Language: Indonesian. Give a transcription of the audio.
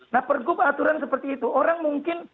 nah pergub aturan seperti itu orang mungkin